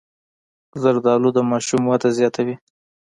زردالو د ماشوم وده زیاتوي.